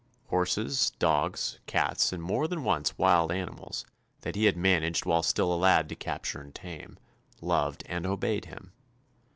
Horses, dogs, cats, and more than once wild animals, that he had managed while still a lad to capture and tame, loved and obeyed him.